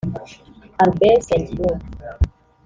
Albert Nsengiyumva